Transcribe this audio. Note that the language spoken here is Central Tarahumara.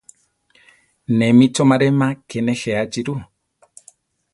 Né mi chomaréma ké nejéachi rú.